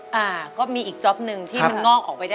อ่าก็มีอีกจ๊อบหนึ่งที่มันนอกออกไปได้อยู่ตรงนี้